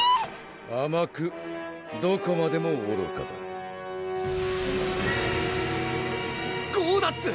あまくどこまでもおろかだフッゴーダッツ！